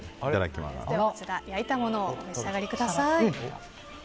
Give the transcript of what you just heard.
焼いたものをお召し上がりください。